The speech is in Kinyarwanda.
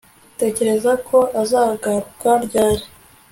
utekereza ko azagaruka ryari